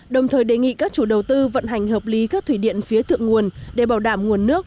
đồng thời đề nghị các chủ đầu tư vận hành hợp lý các thủy điện phía thượng nguồn để bảo đảm nguồn nước